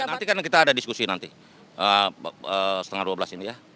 nanti kan kita ada diskusi nanti setengah dua belas ini ya